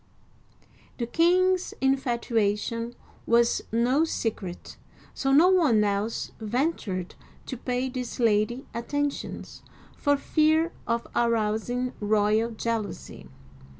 The king's infatuation was no secret, so no one else ven tured to pay this lady attentions, for fear of arousing royal jealousy.